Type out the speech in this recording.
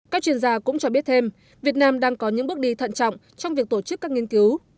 các chuyên gia cũng cho biết thêm việt nam đang có những bước đi thận trọng trong việc tổ chức các nghiên cứu